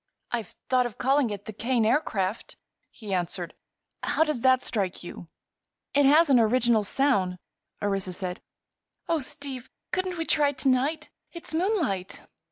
"I've thought of calling it the 'Kane Aircraft,'" he answered. "How does that strike you?" "It has an original sound," Orissa said. "Oh, Steve! couldn't we try it to night? It's moonlight."